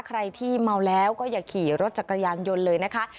ใครที่เมาแล้วก็อย่าขี่รถจักรยานยนต์เลยนะคะ